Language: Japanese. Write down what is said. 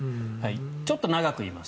ちょっと長くいます